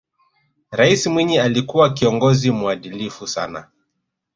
raisi mwinyi alikuwa kiongozi muadilifu sana